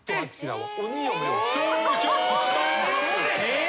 えっ！？